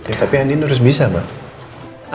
ya tapi andin harus bisa mbak